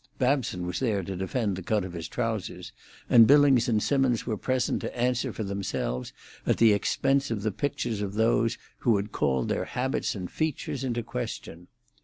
Babson was there to defend the cut of his trousers, and Billings and Simmons were present to answer for themselves at the expense of the pictures of those who had called their habits and features into question.